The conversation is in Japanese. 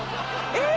えっ！？